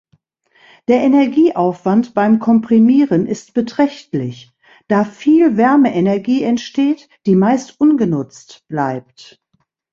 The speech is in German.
Der Energieaufwand beim Komprimieren ist beträchtlich, da viel Wärmeenergie entsteht, die meist ungenutzt bleibt.